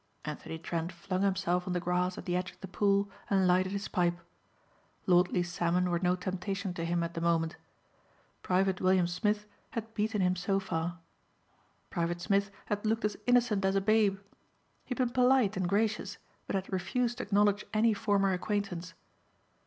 Anthony Trent flung himself on the grass at the edge of the pool and lighted his pipe. Lordly salmon were no temptation to him at the moment. Private William Smith had beaten him so far. Private Smith had looked as innocent as a babe. He had been polite and gracious but had refused to acknowledge any former acquaintance.